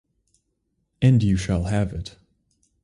And you shall have it.